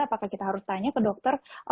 apakah kita harus tanya ke dokter